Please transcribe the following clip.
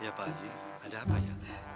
iya pak ji ada apa ya